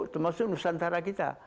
termasuk nusantara kita